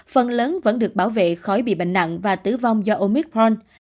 phần lớn vẫn được bảo vệ khỏi bị bệnh nặng và tử vong do omicron